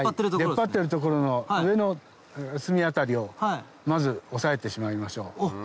出っ張ってる所の上の隅辺りをまず抑えてしまいましょう。